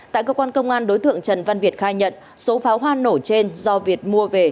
tại cơ quan công an đối tượng trần văn việt khai nhận số pháo hoa nổ trên do việt mua về